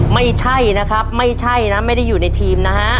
ไม่ใช่นะครับไม่ใช่นะไม่ได้อยู่ในทีมนะฮะ